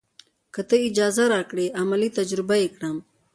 که تۀ اجازه راکړې عملي تجربه یې کړم.